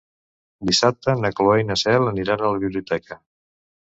Dissabte na Cloè i na Cel aniran a la biblioteca.